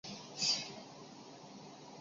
芒西尼亚克人口变化图示